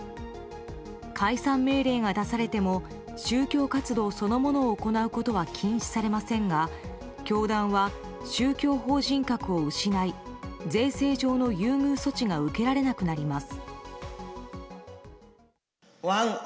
解散命令が出されても宗教活動そのものを行うことは禁止されませんが教団は宗教法人格を失い税制上の優遇措置が受けられなくなります。